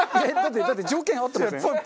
だって条件合ってません？